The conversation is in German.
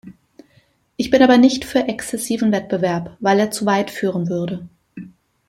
Ich bin aber nicht für exzessiven Wettbewerb, weil er zu weit führen würde.